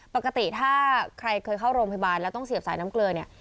ปกติถ้าใครเคยเข้าโรงพยาบาลแล้วต้องเสียบสายน้ำเกลือเนี่ย